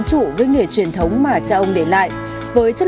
sự ân hận muộn mảm